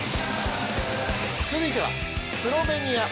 続いては、スロベニア。